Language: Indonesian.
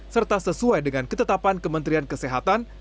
serta sesuai dengan ketetapan kementerian kesehatan